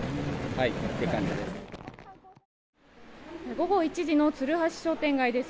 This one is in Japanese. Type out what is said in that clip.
午後１時の鶴橋商店街です。